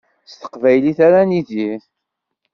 S teqbaylit ara nidir.